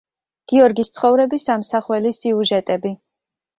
გიორგის ცხოვრების ამსახველი სიუჟეტები.